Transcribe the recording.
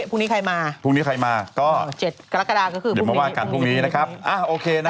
พรุ่งนี้ใครมาก็เดี๋ยวมาว่ากันพรุ่งนี้นะครับโอเคนะ